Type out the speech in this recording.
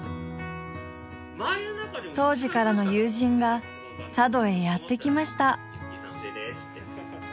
当時からの友人が佐渡へやってきました。